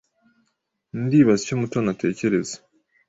Ndibaza icyo Mutoni atekereza.